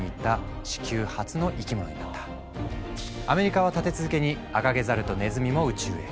アメリカは立て続けにアカゲザルとネズミも宇宙へ。